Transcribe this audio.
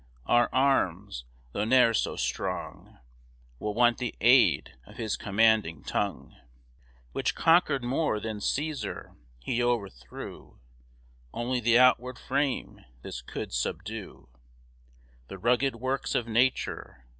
Our arms (though ne'er so strong) Will want the aid of his commanding tongue, Which conquer'd more than Cæsar. He o'erthrew Only the outward frame; this could subdue The rugged works of nature.